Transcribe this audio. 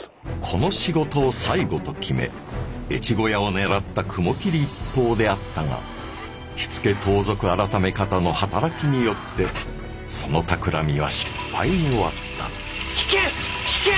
この仕事を最後と決め越後屋を狙った雲霧一党であったが火付盗賊改方の働きによってそのたくらみは失敗に終わった引け！